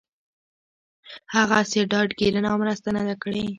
هغسې ډاډ ګيرنه او مرسته نه ده کړې